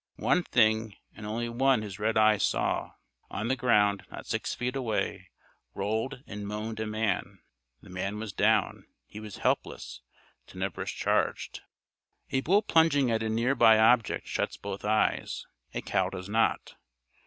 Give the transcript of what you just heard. One thing and only one his red eyes saw: On the ground, not six feet away, rolled and moaned a man. The man was down. He was helpless. Tenebris charged. A bull plunging at a near by object shuts both eyes. A cow does not.